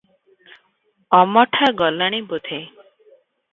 ଅମଠା ଗଲାଣି ବୋଧେ ।